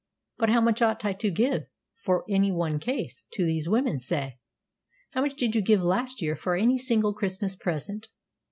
"But how much ought I to give, for any one case, to these women, say?" "How much did you give last year for any single Christmas present?"